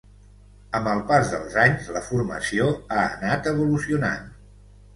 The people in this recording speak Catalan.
Amb el pas dels anys, la formació ha anat evolucionant.